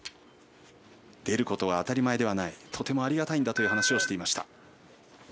出ることは当たり前ではないとてもありがたいんだと話をしていました。